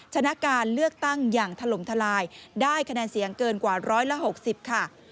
ชนะการเลือกตั้งอย่างถล่มทลายได้คะแนนเสียงเกินกว่า๑๖๐ค่ะ